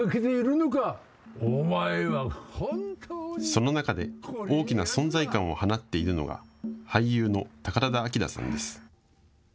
その中で大きな存在感を放っているのが俳優の宝田明さんです。